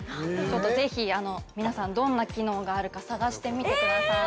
ぜひ、皆さん、どんな機能があるか、探してみてください。